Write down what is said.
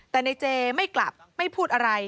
แต่ในเจไม่กลับไม่พูดอะไร